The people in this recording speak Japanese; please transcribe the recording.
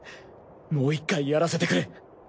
もう１回やらせてくれ。